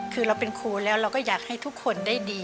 คือเราเป็นครูแล้วเราก็อยากให้ทุกคนได้ดี